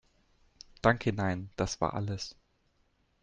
Danke, nein das war alles.